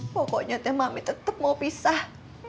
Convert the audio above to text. pokoknya teh mami tetap mau pisah